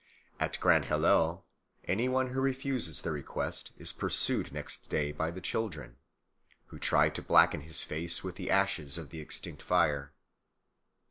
At Grand Halleux any one who refuses their request is pursued next day by the children, who try to blacken his face with the ashes of the extinct fire.